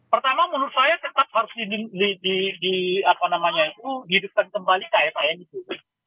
pertama menurut saya tetap harus di di apa namanya itu dihidupkan kembali kfan itu